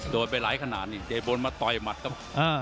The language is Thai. โดนไปหลายขนาดนี่เดินบดมาต่อยมัดครับ